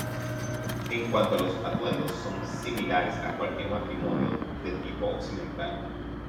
En cuanto a los atuendos, son similares a cualquier matrimonio de tipo occidental.